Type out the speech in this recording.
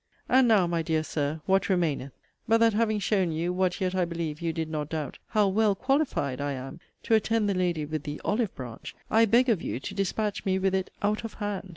And now, (my dear Sir,) what remaineth, but that having shown you (what yet, I believe, you did not doubt) how 'well qualified' I am to attend the lady with the 'olive branch,' I beg of you to dispatch me with it 'out of hand'?